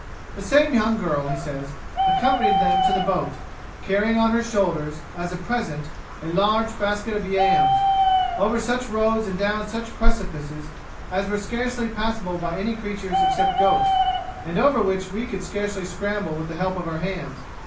The same young girl, he says, accompanied them to the boat, carrying on her shoulders, as a present, a large basket of yams, 'over such roads and down such precipices, as were scarcely passable by any creatures except goats, and over which we could scarcely scramble with the help of our hands.